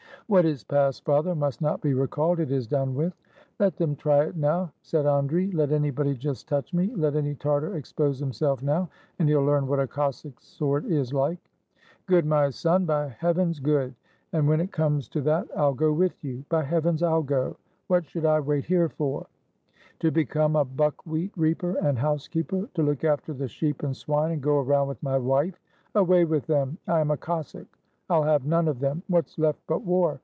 "What is past, father, must not be recalled: it is done with." "Let them try it now," said Andrii. "Let anybody just touch me, let any Tartar expose himself now, and he'll learn what a Cossack's sword is like! " "Good, my son! by Heavens, good! And when it 57 RUSSIA comes to that I'll go with you; by Heavens, I'll go! What should I wait here for? To become a buckwheat reaper and housekeeper, to look after the sheep and swine, and go around with my wife? Away with them ! I am a Cossack; I'll have none of them! What's left but war!